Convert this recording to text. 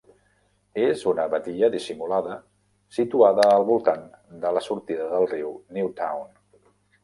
És una badia dissimulada situada al voltant de la sortida del riu Newtown.